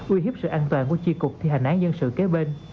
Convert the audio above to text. uy hiếp sự an toàn của chi cục thi hành án dân sự kế bên